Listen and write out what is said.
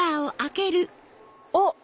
あっ！